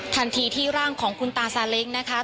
ทันทีที่ร่างของคุณตาซาเล้งนะคะ